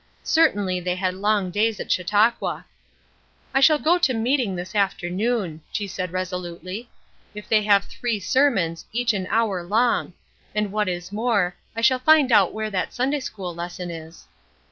Certainly they had long days at Chautauqua. "I shall go to meeting this afternoon," she said, resolutely, "if they have three sermons, each an hour long; and what is more, I shall find out where that Sunday school lesson is."